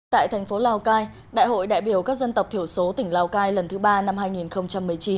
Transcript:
tại thành phố lào cai đại hội đại biểu các dân tộc thiểu số tỉnh lào cai lần thứ ba năm hai nghìn một mươi chín